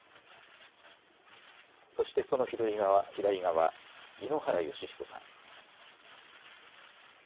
そしてその左側、井ノ原快彦さん。